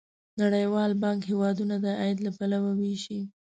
نړیوال بانک هیوادونه د عاید له پلوه ویشي.